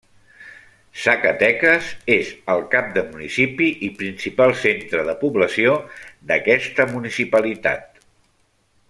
Zacatecas és el cap de municipi i principal centre de població d'aquesta municipalitat.